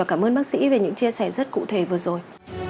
cảm ơn bác sĩ về những chia sẻ rất cụ thể vừa rồi